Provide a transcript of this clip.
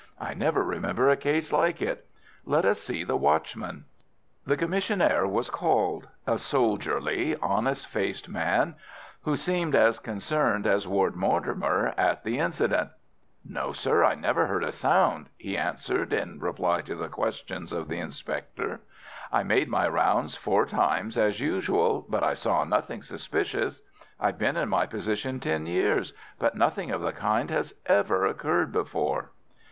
"I never remember a case like it. Let us see the watchman." The commissionaire was called—a soldierly, honest faced man, who seemed as concerned as Ward Mortimer at the incident. "No, sir, I never heard a sound," he answered, in reply to the questions of the inspector. "I made my rounds four times, as usual, but I saw nothing suspicious. I've been in my position ten years, but nothing of the kind has ever occurred before."